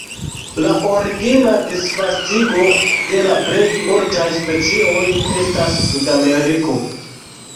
La origina disvastigo de la plej multaj specioj estas Sudameriko.